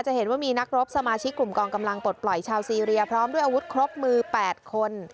เห็นว่ามีนักรบสมาชิกกลุ่มกองกำลังปลดปล่อยชาวซีเรียพร้อมด้วยอาวุธครบมือ๘คน